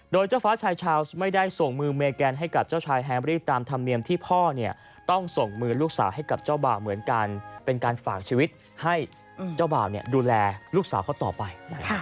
โดยเจ้าฟ้าชายชาวส์ไม่ได้ส่งมือเมแกนให้กับเจ้าชายแฮมรี่ตามธรรมเนียมที่พ่อต้องส่งมือลูกสาวให้กับเจ้าบ่าวเหมือนกันเป็นการฝากชีวิตให้เจ้าบ่าวดูแลลูกสาวเขาต่อไป